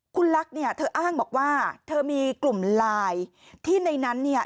คุณลักษณ์เนี่ยเธออ้างบอกว่าเธอมีกลุ่มไลน์ที่ในนั้นเนี่ย